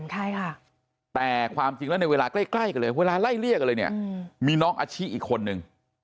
ใช่ค่ะแต่ความจริงในเวลาใกล้เลยเวลาไร่เรียกเลยเนี่ยมีน้องอาชีพอีกคนนึง